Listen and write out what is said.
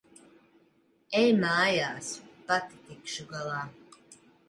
Ej mājās. Pati tikšu galā.